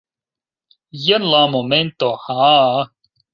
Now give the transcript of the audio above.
Jen la momento! Haa!